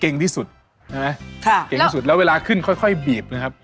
เก่งที่สุดแล้วเวลาขึ้นค่อยบีบนะครับ